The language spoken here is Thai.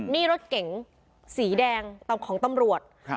นี่รถเก๋งสีแดงของตำรวจ